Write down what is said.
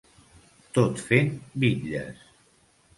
Tot fent bitlles.